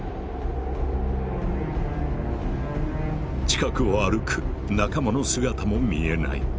近くを歩く仲間の姿も見えない。